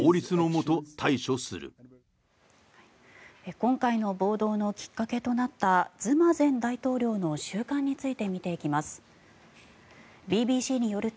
今回の暴動のきっかけとなったズマ前大統領の収監について見ていきます。